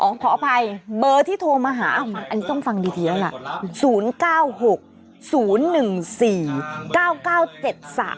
ขออภัยเบอร์ที่โทรมาหาอันนี้ต้องฟังดีแล้วล่ะ